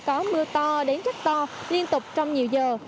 có mưa to đến rất to liên tục trong nhiều giờ